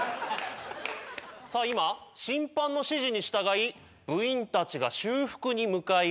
さあ今審判の指示に従い部員たちが修復に向かいます。